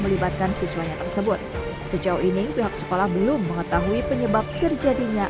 melibatkan siswanya tersebut sejauh ini pihak sekolah belum mengetahui penyebab terjadinya